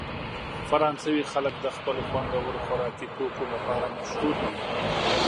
فرانسوي خلک د خپلو خوندورو خوراکي توکو لپاره مشهوره دي.